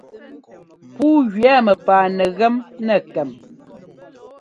Pǔu jʉɛ́ mɛpaa nɛgem nɛ kɛm.